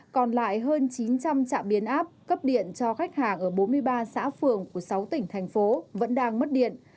còn lại hơn chín trăm linh trạm biến áp cấp điện cho khách hàng ở bốn mươi ba xã phường của sáu tỉnh thành phố vẫn đang mất điện